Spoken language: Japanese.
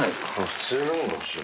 普通のが欲しい。